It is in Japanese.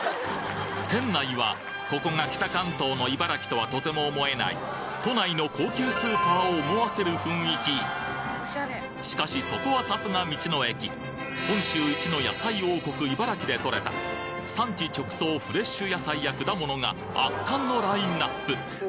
店内はココが北関東の茨城とはとても思えない都内の高級スーパーを思わせる雰囲気しかしそこはさすが道の駅でとれた産地直送フレッシュ野菜や果物が圧巻のラインナップ！